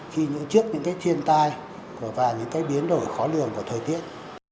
khi những trước những cái thiên tai và những cái biến đổi khó lường của thời tiết